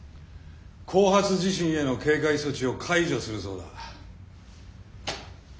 後発地震への警戒措置を解除するそうだ。